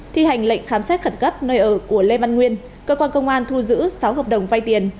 thi hành lệnh khám xét khẩn cấp nơi ở của lê văn nguyên cơ quan công an thu giữ sáu hợp đồng vay tiền